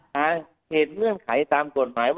เหตุเงื่อนไขตามกฎหมาย